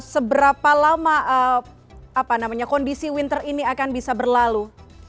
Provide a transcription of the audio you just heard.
seberapa lama kondisi winter ini akan bisa berlalu